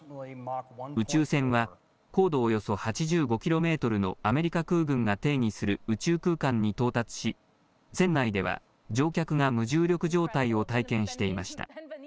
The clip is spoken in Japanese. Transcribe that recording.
宇宙船は高度およそ８５キロメートルのアメリカ空軍が定義する宇宙空間に到達し船内では乗客が無重力状態を体験していました。